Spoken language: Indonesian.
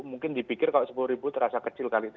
mungkin dipikir kalau sepuluh ribu terasa kecil kali itu